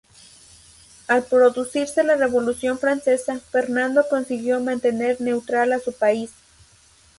Al producirse la Revolución francesa, Fernando consiguió mantener neutral a su país.